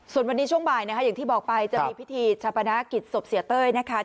ส่วนวันนี้ช่วงบ่ายนะคะอย่างที่บอกไปจะมีพิธีชาปนากิจศพเสียเต้ยนะคะ